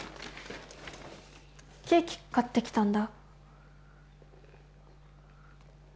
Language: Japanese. ケーキ買ってきたんだ